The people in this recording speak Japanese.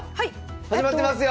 始まってますよ！